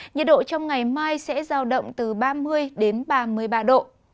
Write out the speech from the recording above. nhiệt độ trong ngày mai sẽ giao động từ ba mươi đến ba mươi ba độ